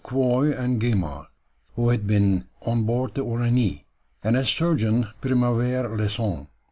Quoy and Gaimard, who had been on board the Uranie, and as surgeon Primevère Lesson.